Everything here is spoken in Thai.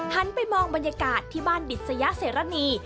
หันไปมองบรรยากาศที่บ้านดิษยเสรณี